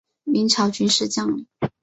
明朝军事将领。